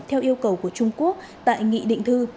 theo yêu cầu của trung quốc tại nghị định thư